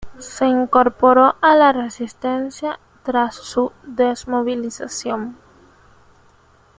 Se incorporó a la resistencia tras su desmovilización.